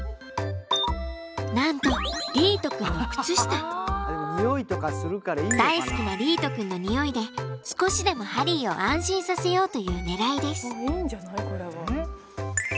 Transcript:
なんと大好きな莉絃くんのにおいで少しでもハリーを安心させようというねらいです。